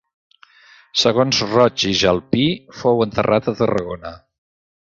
Segons Roig i Jalpí fou enterrat a Tarragona.